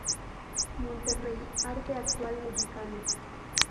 Monterrey: Arte Actual Mexicano.